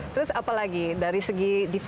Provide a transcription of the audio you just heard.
terus apa lagi dari segi difensif ya